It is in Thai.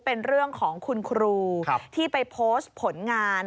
เป็นเรื่องของคุณครูที่ไปโพสต์ผลงาน